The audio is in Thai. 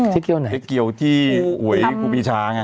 เจ๊เกียวไหนเจ๊เกียวที่อวยกุบิชาไง